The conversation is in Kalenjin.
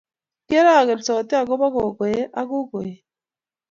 kiorokensoti akubo gogoe ak kukoe